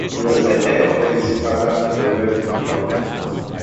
He was the heir of his father Gilbert de Gaunt.